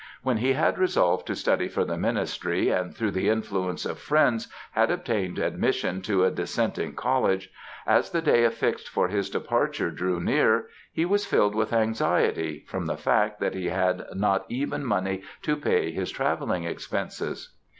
When he had resolved to study for the ministry and through the influence of friends, had obtained admission to a Dissenting College; as the day affixed for his departure drew near, he was filled with anxiety, from the fact that he had not even money to pay his travelling expenses.